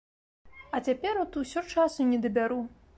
А цяпер от усё часу не дабяру.